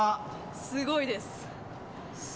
すごいです。